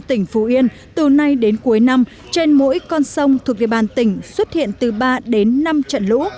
tỉnh phú yên từ nay đến cuối năm trên mỗi con sông thuộc địa bàn tỉnh xuất hiện từ ba đến năm trận lũ